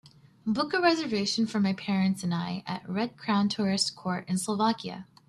Book a reservation for my parents and I at Red Crown Tourist Court in Slovakia